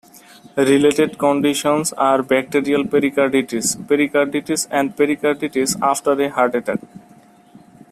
Related conditions are bacterial pericarditis, pericarditis and pericarditis after a heart attack.